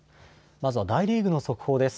まずは大リーグの速報です。